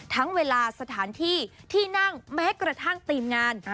เวลาสถานที่ที่นั่งแม้กระทั่งทีมงาน